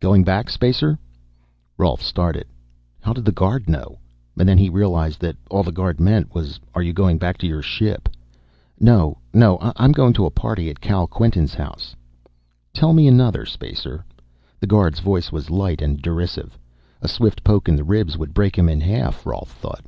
"Going back, Spacer?" Rolf started. How did the guard know? And then he realized that all the guard meant was, are you going back to your ship? "No. No, I'm going to a party. Kal Quinton's house." "Tell me another, Spacer." The guard's voice was light and derisive. A swift poke in the ribs would break him in half, Rolf thought.